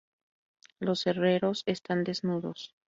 Los herreros están desnudos.